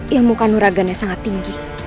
ilmu kanuragannya sangat tinggi